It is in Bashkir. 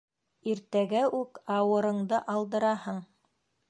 Иртәгә үк ауырыңды алдыраһың...